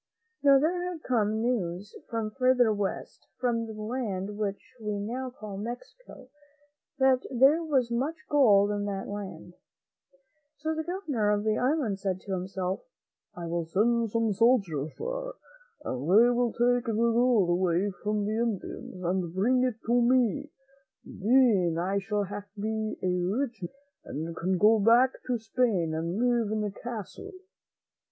Now, there had come news from further west, from the land which we now call Mexico, that there was much gold in that land. So the Governor of the island said to himself, "I will send some soldiers there, and they will take the gold away from the Indians and bring it to me ; then I shall be a rich man, and can go back to Spain and live in a castle."